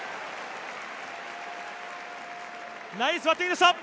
ナイスバッティングでした！